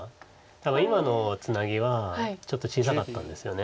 多分今のツナギはちょっと小さかったんですよね。